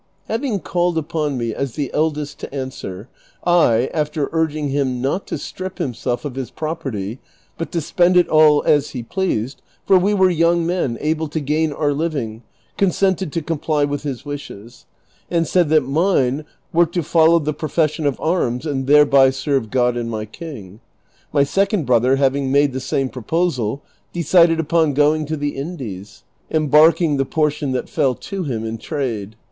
Having called upon me as the eldest to answer, I, after ui'ginghim not to strip himself of his property but to spend it all as he pleased, for we were young men able to g;un our living, consented to comply with his wishes, and said that mine were to follow the profession of arms and thereby serve God and my king. My second In other hav ing made the same proposal, decided upon going to the Indies, embarking the portion that fell to him in trade.